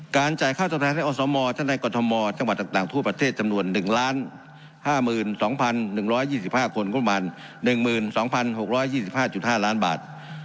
จ่ายค่าตอบแทนให้อสมท่านในกรทมจังหวัดต่างทั่วประเทศจำนวน๑๕๒๑๒๕คนก็ประมาณ๑๒๖๒๕๕ล้านบาท